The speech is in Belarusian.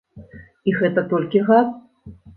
І гэта толькі газ.